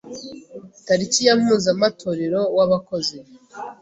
Tariki ya Mpuzamatorero w’Abakozi